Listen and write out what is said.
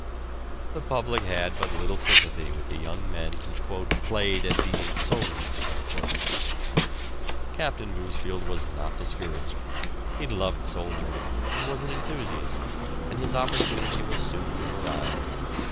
The public had but little sympathy with the young men who "played at being soldiers." Captain Bousfield was not discouraged, he loved soldiering and was an enthusiast, and his opportunity was soon to arrive.